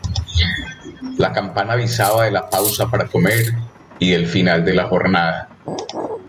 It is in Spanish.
La campana avisaba de la pausa para comer y del final de la jornada.